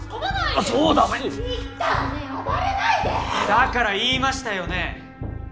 だから言いましたよね？